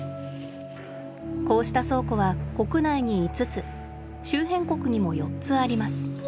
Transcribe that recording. こうした倉庫は国内に５つ周辺国にも４つあります。